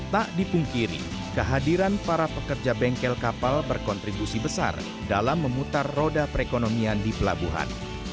tak dipungkiri kehadiran para pekerja bengkel kapal berkontribusi besar dalam memutar roda perekonomian di pelabuhan